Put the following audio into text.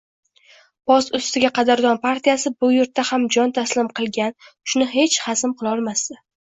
Boz ustiga qadrdon partiyasi bu yurtda ham jon taslim qilgan, shuni hech xazm qilolmasdi